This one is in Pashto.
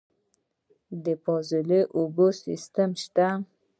د فاضله اوبو سیستم شته؟